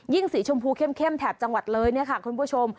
สีชมพูเข้มแถบจังหวัดเลยเนี่ยค่ะคุณผู้ชม